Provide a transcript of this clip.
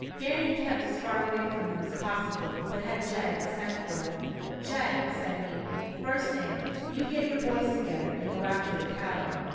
Banion kept as far away from them as possible, but had Jed sent for. "Jed," said he, "first thing, you get your boys together and go after the cattle.